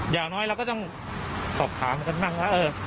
อย่างน้อยเราก็ต้องสอบถามกันบ้างว่า